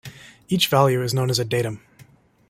Each value is known as a datum.